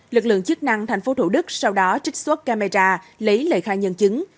lực lượng chức năng thành phố thủ đức sau đó trích xuất camera lấy lời khai nhân chứng